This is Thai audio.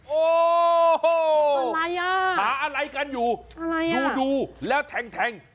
โอ้โหอะไรอ่ะหาอะไรกันอยู่อะไรอ่ะดูดูแล้วแทงแทง